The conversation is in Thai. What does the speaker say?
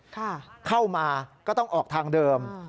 เข้ามาก็ต้องออกทางเดิม